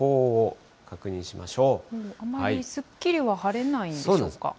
あまりすっきりは晴れないんそうなんです。